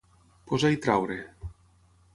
Posar i treure.